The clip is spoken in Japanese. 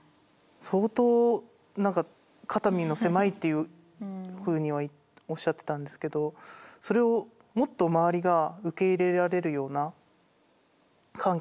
相当何か肩身の狭いっていうふうにはおっしゃってたんですけどそれをもっと周りが受け入れられるような環境にしていきたいなとは思いましたね。